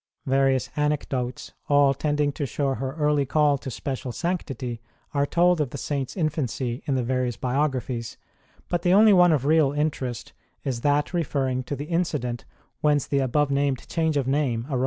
Various anecdotes, all tending to show her early call to special sanctity, are told of the Saint s infancy in the various biographies, but the only one of real interest is that referring to the incident whence the above named change of name arose.